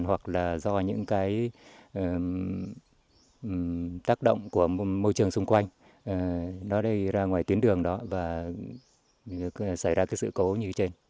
hoặc là do những tác động của môi trường xung quanh nó đi ra ngoài tuyến đường đó và xảy ra sự cố như trên